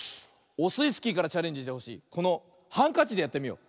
オスイスキーからチャレンジしてほしいこのハンカチでやってみよう。